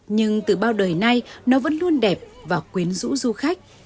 nhưng từ bao đời nay nó vẫn luôn đẹp và quyến rũ du khách